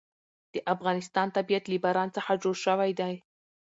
د افغانستان طبیعت له باران څخه جوړ شوی دی.